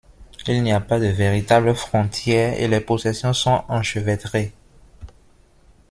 Il n'y a pas de véritable frontière et les possessions sont enchevêtrées.